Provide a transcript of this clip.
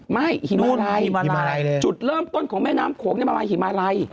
ไม่หิมะไรจุดเริ่มต้นของแม่น้ำโขงเนี่ยมาจากหิมะไร